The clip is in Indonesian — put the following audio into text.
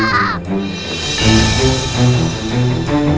hantu bukarata tala